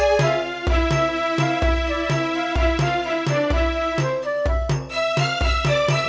kalau mau menj news mobil maka harus liveshift